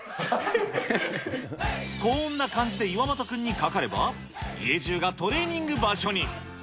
こんな感じで岩本君にかかれば、家じゅうがトレーニング場所に。